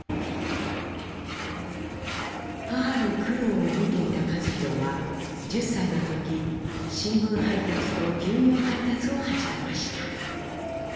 母の苦労を見ていた一寛は１０歳の時新聞配達と牛乳配達を始めました。